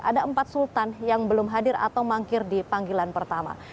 ada empat sultan yang belum hadir atau mangkir di panggilan pertama